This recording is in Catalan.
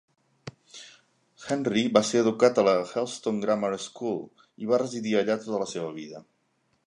Henry va ser educat a la Helston Grammar School, i va residir allà tota la seva vida.